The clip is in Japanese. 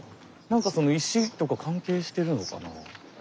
何かその石とか関係してるのかな？